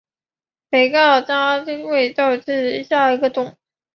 肥皂荚为豆科肥皂荚属下的一个种。